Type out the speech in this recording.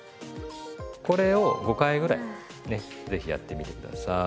これを５回ぐらいね是非やってみて下さい。